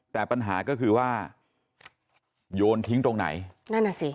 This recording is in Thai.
แต่ปัญหาก็คือว่าโยนทิ้งตรงไหน